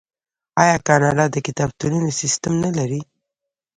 آیا کاناډا د کتابتونونو سیستم نلري؟